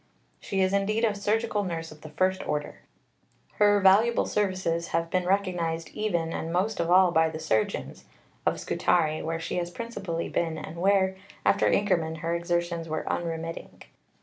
She is indeed a surgical nurse of the first order. Her valuable services have been recognized even and most of all by the surgeons (of Scutari, where she has principally been and where, after Inkerman, her exertions were unremitting).